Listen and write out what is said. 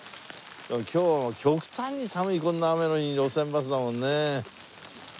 でも今日極端に寒いこんな雨の日に『路線バス』だもんね。